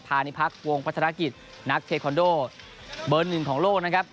พาณิพักษ์วงพัฒนากิจนักเทคอนโดเบอร์๑ของโลกนะครับ